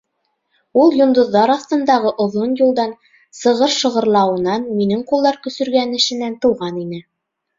Ул йондоҙҙар аҫтындағы оҙон юлдан, сығыр шығырлауынан, минең ҡулдар көсөргәнешенән тыуған ине.